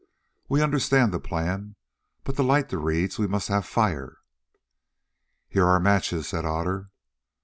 We understand the plan, but to light reeds we must have fire." "Here are matches," said Otter.